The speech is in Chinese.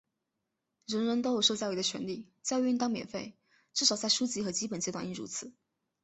人人都有受教育的权利,教育应当免费,至少在初级和基本阶段应如此。